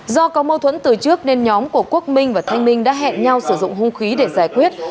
do có mâu thuẫn từ trước nên nhóm của quốc minh và thanh minh đã hẹn nhau sử dụng hung khí để giải quyết